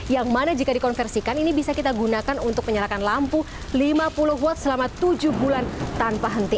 yang mana jika dikonversikan ini bisa kita gunakan untuk menyalakan lampu lima puluh watt selama tujuh bulan tanpa henti